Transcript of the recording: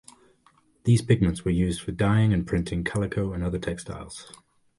These pigments were used for dyeing and printing calico and other textiles.